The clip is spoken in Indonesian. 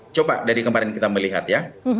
coba dari kemarin kita melihat ya